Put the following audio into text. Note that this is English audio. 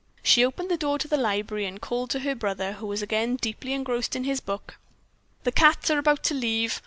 She opened the door to the library and called to her brother, who was again deeply engrossed in his book: "The 'cats' are about to leave.